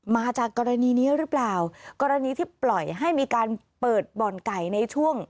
มาจากกรณีนี้หรือเปล่ากรณีที่ปล่อยให้มีการเปิดบ่อนไก่ในช่วง